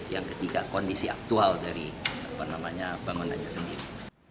yang ketiga kondisi aktual dari bangunannya sendiri